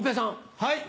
はい。